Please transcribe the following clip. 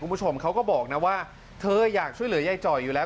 คุณผู้ชมเขาก็บอกนะว่าเธออยากช่วยเหลือยายจ่อยอยู่แล้ว